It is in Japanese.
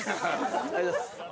ありがとうございます。